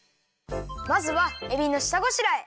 まずはえびのしたごしらえ！